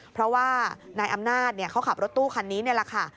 เพราะว่านายอำนาจเขาขับรถตู้คันนี้นี่แหละค่ะ